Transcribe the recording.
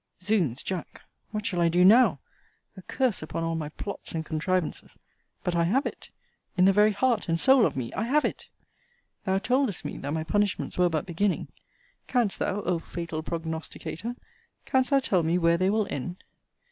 Zounds, Jack, what shall I do now! a curse upon all my plots and contrivances! But I have it in the very heart and soul of me I have it! Thou toldest me, that my punishments were but beginning Canst thou, O fatal prognosticator, canst thou tell me, where they will end?